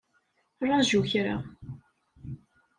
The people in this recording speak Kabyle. Ṛaju kra.